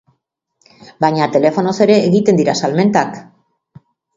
Baina telefonoz ere egiten dira salmentak.